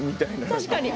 確かに。